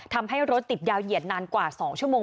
ทำให้รถติดยาวเหยียดนานกว่า๒ชั่วโมง